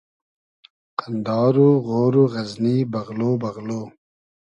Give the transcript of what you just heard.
قئندار و غۉر و غئزنی بئغلۉ بئغلۉ